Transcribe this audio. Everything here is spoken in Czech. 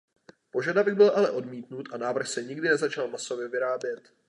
Požadavek byl ale odmítnut a návrh se nikdy nezačal masově vyrábět.